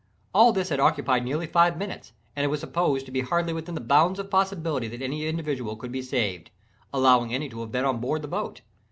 All this had occupied nearly five minutes, and it was supposed to be hardly within the bounds of possibility that any individual could be saved—allowing any to have been on board the boat.